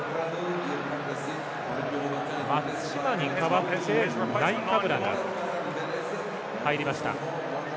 松島に代わってナイカブラが入りました。